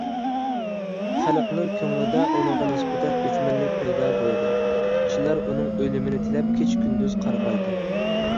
خەلقنىڭ كۆڭلىدە ئۇنىڭغا نىسبەتەن ئۆچمەنلىك پەيدا بولىدۇ. كىشىلەر ئۇنىڭ ئۆلۈمىنى تىلەپ كېچە - كۈندۈز قارغايدۇ.